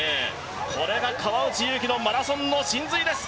これが川内優輝のマラソンの神髄です！